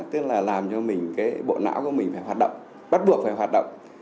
tức là làm cho mình cái bộ não của mình phải hoạt động bắt buộc phải hoạt động